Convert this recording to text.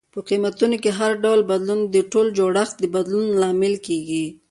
په قیمتونو کې هر ډول بدلون د ټول جوړښت د بدلون لامل کیږي.